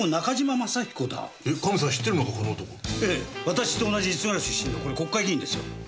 私と同じ津軽出身のこれ国会議員ですよ。